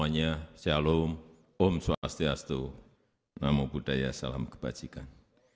namo buddhaya salam kebajikan